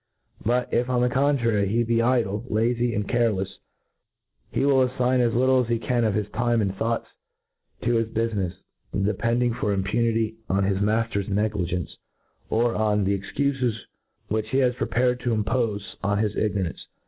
But if, on the contrary, he be idle, lazy, and carelefs, he will affign as litde as he can of • his time and thoughts to his bufinefs, depending for impunity on his mafter^s negligence, or oq the cxcufes which he has prepared to impofe on his ignorance.